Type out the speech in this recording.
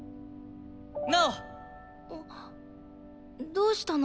どうしたの？